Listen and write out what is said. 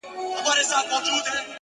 ما چي توبه وکړه اوس نا ځوانه راته و ویل,